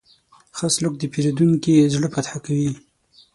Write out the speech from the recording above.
ښه سلوک د پیرودونکي زړه فتح کوي.